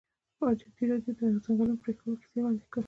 ازادي راډیو د د ځنګلونو پرېکول کیسې وړاندې کړي.